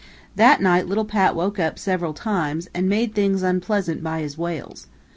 That night little Pat woke up, several times, and made things unpleasant by his wails.